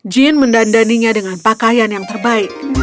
jin mendandaninya dengan pakaian yang terbaik